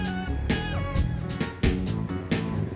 kaki lo tinggi sebelah